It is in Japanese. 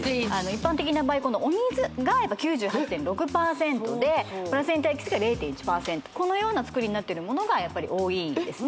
一般的な場合お水が９８．６％でプラセンタエキスが０．１％このような作りになってるものがやっぱり多いですね